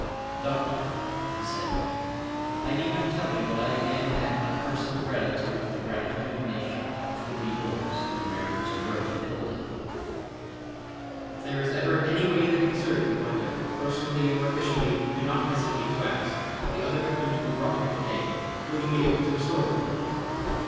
"Doctor," he said, "I need not tell you that I again add my personal gratitude to the gratitude of a nation which would be yours, could the miracles you work be told off. If there is ever any way that can serve you, either personally or officially, do not hesitate to ask. The other victims will be brought here to day. Will you be able to restore them?"